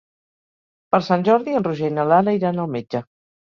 Per Sant Jordi en Roger i na Lara iran al metge.